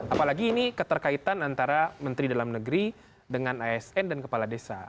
apalagi ini keterkaitan antara menteri dalam negeri dengan asn dan kepala desa